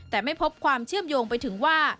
แต่ไม่พบความเชื่อมโยงไปถึงว่า